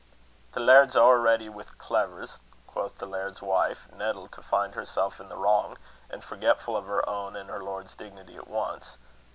"The laird's ower ready wi's clavers," quoth the laird's wife, nettled to find herself in the wrong, and forgetful of her own and her lord's dignity at once.